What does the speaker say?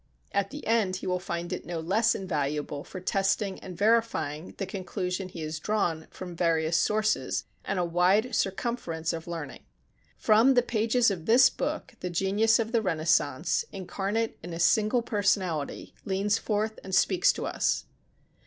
At the end he will find it no less invaluable for testing and verifying the conclusion he has drawn from various sources and a wide circumference of learning. From the pages of this book the genius of the Renaissance, incarnate in a single personality, leans forth and speaks to us.